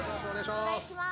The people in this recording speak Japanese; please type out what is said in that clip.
お願いします。